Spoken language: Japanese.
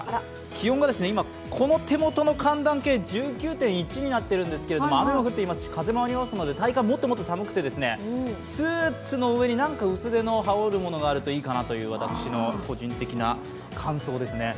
気温が今、この手元の寒暖計、１９．１度になってるんですけど雨も降っていますし、風もありますので、体感はもっともっと寒くてスーツの上になんか薄手の羽織るものがあるといいかなというのが私の個人的な感想ですね。